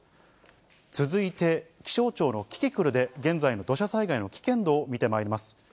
続いて気象庁のキキクルで、現在の土砂災害の危険度を見てまいります。